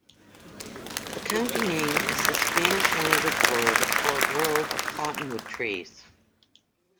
The county name is the Spanish language word for a grove of cottonwood trees.